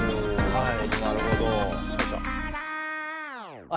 はい。